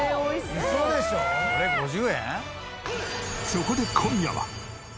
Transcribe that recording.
そこで今夜は！